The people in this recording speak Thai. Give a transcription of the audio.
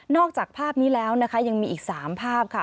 จากภาพนี้แล้วนะคะยังมีอีก๓ภาพค่ะ